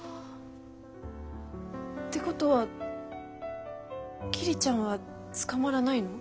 ってことは桐ちゃんは捕まらないの？